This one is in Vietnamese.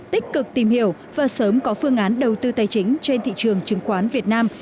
tích cực tìm hiểu và sớm có phương án đầu tư tài chính trên thị trường chứng khoán việt nam